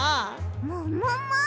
ももも！